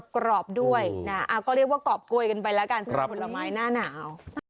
กรอบด้วยนะก็เรียกว่ากรอบโกยกันไปแล้วกันสำหรับผลไม้หน้าหนาว